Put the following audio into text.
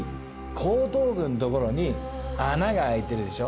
後頭部のところに穴が開いてるでしょ？